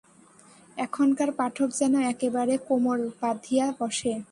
এখনকার পাঠক যেন একেবারে কোমর বাঁধিয়া বসে।